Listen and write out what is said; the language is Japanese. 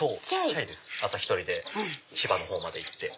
朝一人で千葉の方まで行って。